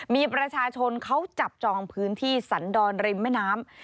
มีประชาชนเขาจับจองพื้นที่สันดรริมแม่น้ำ